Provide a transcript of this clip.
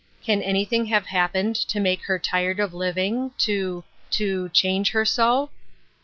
Can anything have happened to make her tired of living ; to, to — change her so